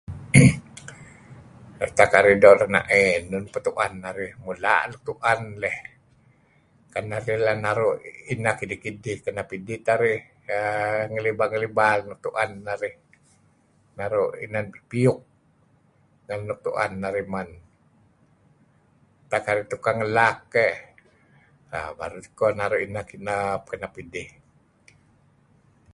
Utak narih doo' rena'ey enun peh tu'en narih, mula' luk la' tu'en leh, narih dih, mula' nuk la' tu'en naru' inah kidih-kidih teh arih err ngalibal-ngalibal nuk tu'en narih naru' inan piyuk ngan nuk tu'en narih men. Utak nerih tukang ngelak keh [er} baru tikoh naru' inah kenep-kenep idih.